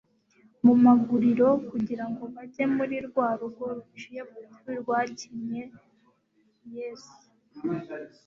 mu maguriro kugira ngo bajye muri rwa rugo ruciye bugufi rwakinye Yesu.